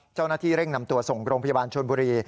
เจ้าหน้าที่เร่งนำตัวส่งโรงพยาบาลชนบุรี